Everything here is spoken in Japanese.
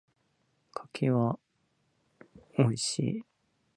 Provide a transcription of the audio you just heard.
柿は美味しい。